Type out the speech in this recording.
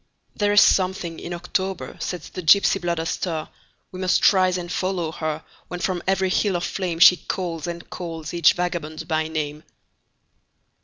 There is something in October sets the gypsy blood astir; We must rise and follow her, When from every hill of flameShe calls and calls each vagabond by name.